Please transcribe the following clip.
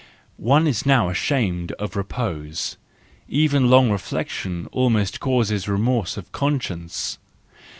One is now ashamed of repose: even long reflection almost causes remorse of conscience.